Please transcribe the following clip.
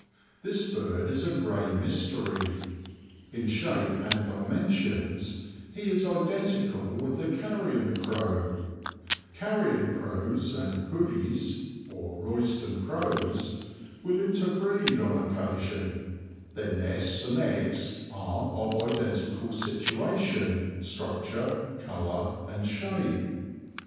This bird is a grey mystery. In shape and dimensions he is identical with the carrion crow; carrion crows and hoodies (or Royston crows) will interbreed on occasion; their nests and eggs are of identical situation, structure, colour, and shape.